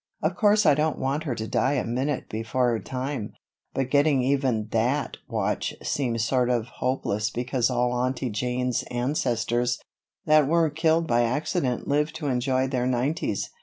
Of course I don't want her to die a minute before her time, but getting even that watch seemed sort of hopeless because all Aunty Jane's ancestors that weren't killed by accident lived to enjoy their nineties.